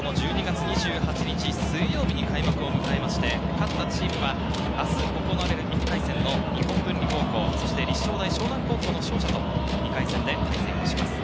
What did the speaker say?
今年も１２月２８日水曜日に開幕を迎えまして、勝ったチームは明日行われる１回戦の日本文理高校、そして立正大淞南高校の勝者と２回戦で対戦します。